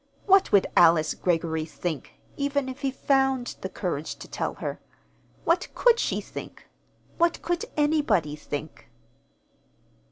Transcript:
What would Alice Greggory think, even if he found the courage to tell her? What could she think? What could anybody think?